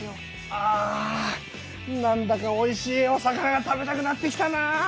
あなんだかおいしいお魚が食べたくなってきたな！